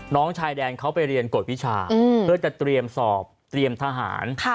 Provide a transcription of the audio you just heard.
น้องชายแดนเขาไปเรียนกฎวิชาเพื่อจะเตรียมสอบเตรียมทหาร